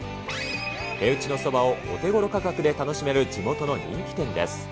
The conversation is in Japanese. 手打ちのそばをお手ごろ価格で楽しめる地元の人気店です。